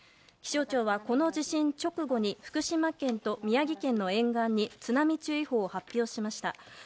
気象庁はこの地震直後に福島県と宮城県の沿岸に津波注意報を発表しました。